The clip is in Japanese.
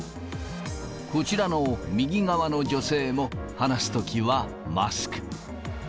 こちらの右側の女性も、話すときはマスク。